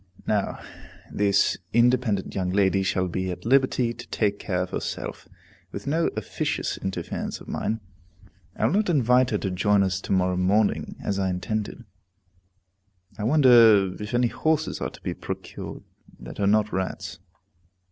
Now this independent young lady shall be at liberty to take care of herself, with no officious interference of mine; I will not invite her to join us to morrow morning, as I intended. I wonder if any horses are to be procured that are not rats.